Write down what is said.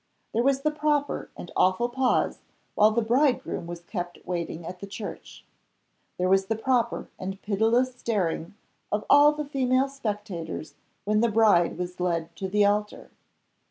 There was the proper and awful pause while the bridegroom was kept waiting at the church. There was the proper and pitiless staring of all the female spectators when the bride was led to the altar.